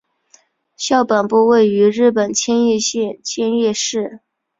校本部位于日本千叶县千叶市。